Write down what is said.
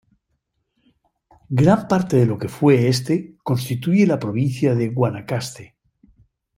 Gran parte de lo que fue este constituye la provincia de Guanacaste.